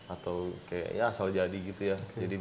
atau kayak ya asal jadi gitu ya